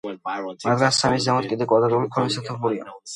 მათგან სამის ზემოთ კიდევ კვადრატული ფორმის სათოფურებია.